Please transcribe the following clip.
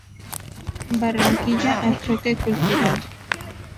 Barranquilla, al choque cultural.